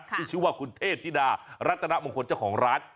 ชื่อว่าคุณเทพธิดารัตนมงคลเจ้าของร้าน